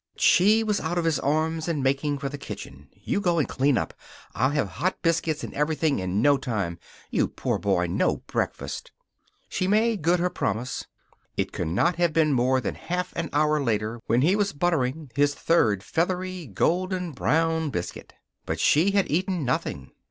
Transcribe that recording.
But she was out of his arms and making for the kitchen. "You go and clean up. I'll have hot biscuits and everything in no time. You poor boy. No breakfast!" She made good her promise. It could not have been more than half an hour later when he was buttering his third feathery, golden brown biscuit. But she had eaten nothing.